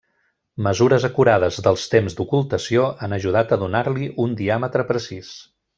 Mesures acurades dels temps d'ocultació han ajudat a donar-li un diàmetre precís.